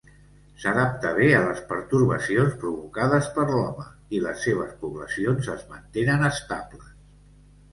S'adapta bé a les pertorbacions provocades per l'home i les seves poblacions es mantenen estables.